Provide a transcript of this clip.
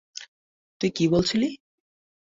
তুই কী বলেছিলি?